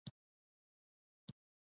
مړه ته د شپه عبادت د ارام وسيله ده